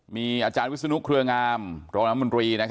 มีอาจารย์วิศนุเครืองามรองน้ำมนตรี